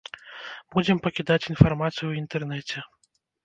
Будзем пакідаць інфармацыю ў інтэрнэце.